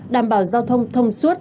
đảm bảo giao thông thông suốt